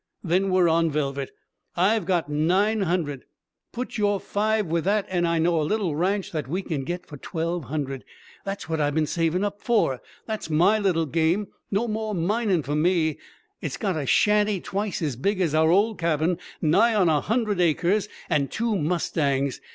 Then we're on velvet! I've got nine hundred; put your five with that, and I know a little ranch that we can get for twelve hundred. That's what I've been savin' up for that's my little game! No more minin' for me. It's got a shanty twice as big as our old cabin, nigh on a hundred acres, and two mustangs.